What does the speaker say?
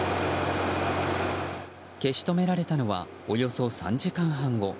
消し止められたのはおよそ３時間半後。